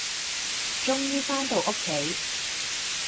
終於，返到屋企